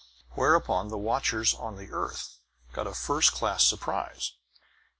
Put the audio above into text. Whereupon the watchers on the earth got a first class surprise.